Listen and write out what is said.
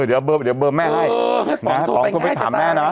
เดี๋ยวเบอร์เดี๋ยวเบอร์แม่ให้เออให้ป๋องโทรไปป๋องเขาไปถามแม่น่ะ